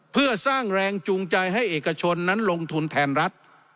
เพื่อสร้างแรงจูงใจให้เอกชนนั้นลงทุนแทนรัฐ